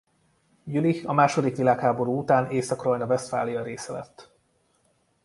Jülich a második világháború után Észak-Rajna-Vesztfália része lett.